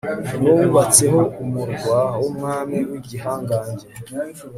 ni wo wubatseho umurwa w'umwami w'igihangange